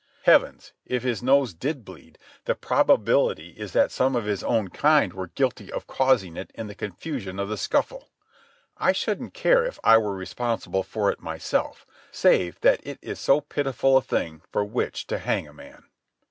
Heavens, if his nose did bleed, the probability is that some of his own kind were guilty of causing it in the confusion of the scuffle. I shouldn't care if I were responsible for it myself, save that it is so pitiful a thing for which to hang a man.